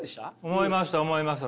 思いました思いました。